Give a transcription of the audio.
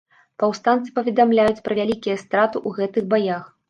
Паўстанцы паведамляюць пра вялікія страты ў гэтых баях.